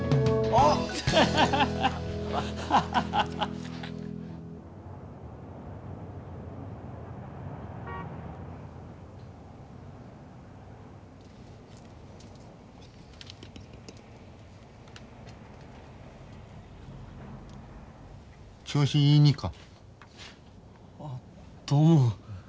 あっどうも。